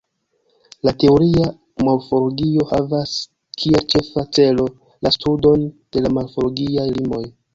La teoria morfologio havas kiel ĉefa celo la studon de la morfologiaj limoj.